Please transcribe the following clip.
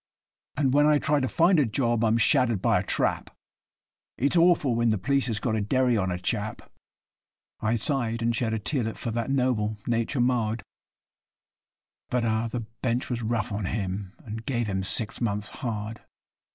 And when I try to find a job I'm shaddered by a trap It's awful when the p'leece has got a derry on a chap.' I sigh'd and shed a tearlet for that noble nature marred, But, ah! the Bench was rough on him, and gave him six months' hard.